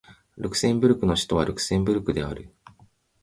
ルクセンブルクの首都はルクセンブルクである